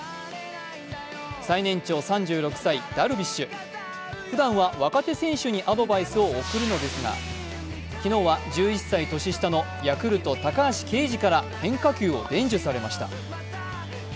最年長３６歳ダルビッシュ、ふだんは若手選手にアドバイスを送るのですが昨日は、１１歳年下のヤクルト・高橋奎二から変化球を伝授されました。